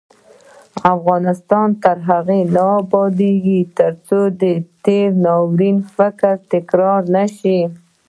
افغانستان تر هغو نه ابادیږي، ترڅو د تیر ناوړه فکر تکرار نشي.